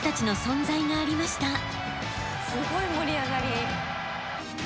すごい盛り上がり！